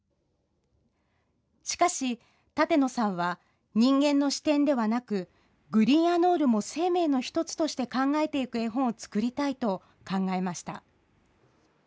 しかし、舘野さんは人間の視点ではなくグリーンアノールも生命の１つとして考えていく絵本を作りたいと考えました。